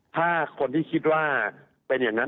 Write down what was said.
ถ้าคนที่คิดว่าเป็นอย่างนั้น